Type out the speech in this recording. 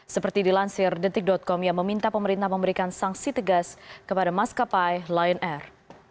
seperti dilansir detik com yang meminta pemerintah memberikan sanksi tegas kepada maskapai lion air